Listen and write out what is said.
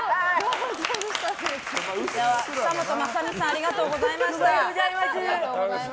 ありがとうございます。